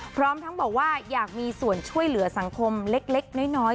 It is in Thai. พร้อมทั้งบอกว่าอยากมีส่วนช่วยเหลือสังคมเล็กน้อย